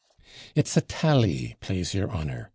It's a TALLY, plase your honour.